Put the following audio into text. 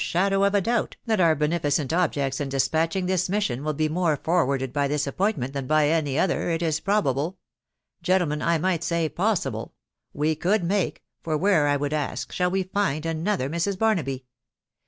nhsAww ef t doubt, that our beneficent objects ia despatching, tibia will be more forwarded by this appointment than, briny it is probable — gentlemen, I might say hihiiiiiji —we make — for where, I would ask, shall we find, anothss Barnaby